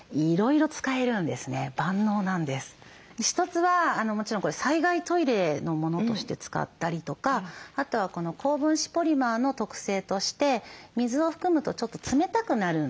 一つはもちろん災害トイレのものとして使ったりとかあとは高分子ポリマーの特性として水を含むとちょっと冷たくなるんです。